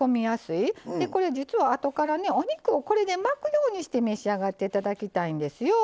これ実はあとからお肉をこれで巻くようにして召し上がっていただきたいんですよ。